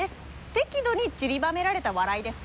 適度にちりばめられた笑いです。